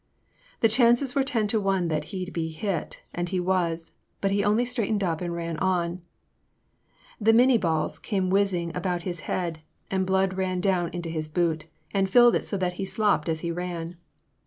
The chances were ten to one that he 'd be hit, and he was, but he only straightened up and ran on. The mini^ balls came whining about his head, the blood ran down into his boot, and filled it so that he slopped as he ran.